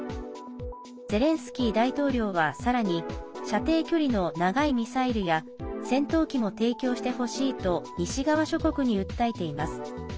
ゼレンスキー大統領は、さらに射程距離の長いミサイルや戦闘機も提供してほしいと西側諸国に訴えています。